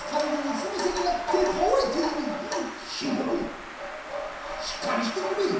「甚五郎しっかりしてくれ甚五郎」。